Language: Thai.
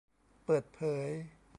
เปิดเผย